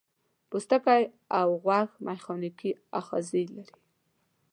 پوستکی او غوږ میخانیکي آخذې لري.